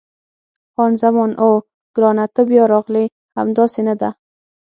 خان زمان: اوه، ګرانه ته بیا راغلې! همداسې نه ده؟